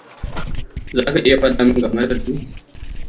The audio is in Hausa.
Za ka iya faɗa min game da su?